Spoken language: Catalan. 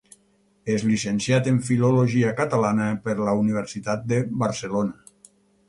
És llicenciat en Filologia catalana per la Universitat de Barcelona.